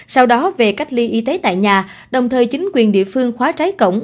sau đó về cách ly y tế tại nhà đồng thời chính quyền địa phương khóa trái cổng